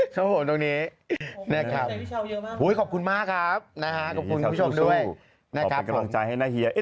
ช่องกันมากใจหรือ